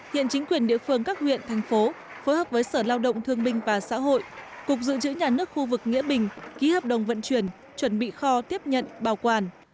hiện chính quyền địa phương các huyện thành phố phối hợp với sở lao động thương binh và xã hội cục dự trữ nhà nước khu vực nghĩa bình ký hợp đồng vận chuyển chuẩn bị kho tiếp nhận bảo quản